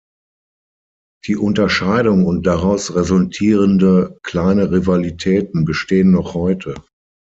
Die Unterscheidung und daraus resultierende kleine Rivalitäten bestehen noch heute.